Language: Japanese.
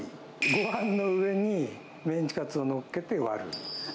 ごはんの上にメンチカツをのっけて割る。